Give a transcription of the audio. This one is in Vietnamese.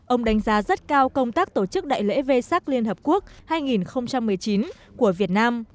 ông đánh giá rất cao công tác tổ chức đại lễ v sac liên hợp quốc hai nghìn một mươi chín của việt nam